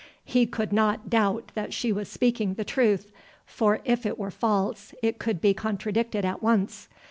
He could not doubt that she was speaking the truth, for if it were false it could be contradicted at once.